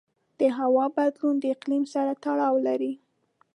د هوا بدلون د اقلیم سره تړاو لري.